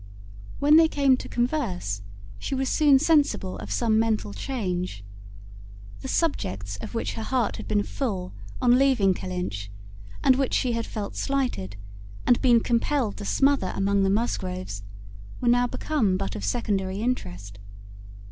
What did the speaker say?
When they came to converse, she was soon sensible of some mental change. The subjects of which her heart had been full on leaving Kellynch, and which she had felt slighted, and been compelled to smother among the Musgroves, were now become but of secondary interest.